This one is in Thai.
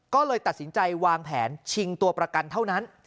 ก็เลยตัดสินใจวางแผนชิงตัวประกันเท่านั้น